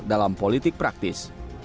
dalam politik praktis